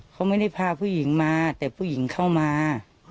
เขาไม่ได้พาผู้หญิงมาแต่ผู้หญิงเข้ามา